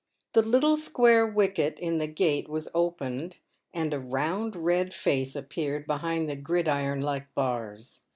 The little square wicket in the gate was opened, and a round, red face appeared behind the gridiron like bars.